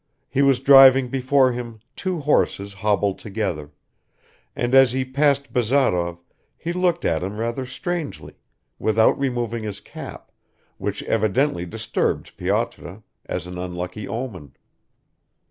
He was driving before him two horses hobbled together, and as he passed Bazarov he looked at him rather strangely, without removing his cap, which evidently disturbed Pyotr, as an unlucky omen.